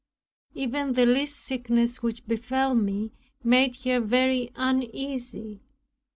Even the least sickness which befell me made her very uneasy.